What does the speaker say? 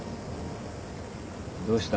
どうした？